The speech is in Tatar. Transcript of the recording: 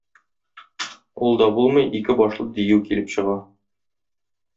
Ул да булмый, ике башлы дию килеп чыга.